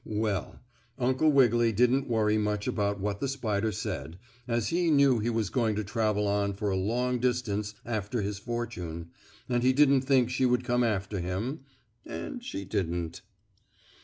Well, Uncle Wiggily didn't worry much about what the spider said, as he knew he was going to travel on for a long distance after his fortune, and he didn't think she would come after him, and she didn't.